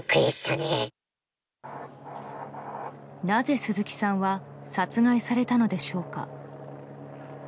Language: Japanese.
なぜ、鈴木さんは殺害されたのでしょうか。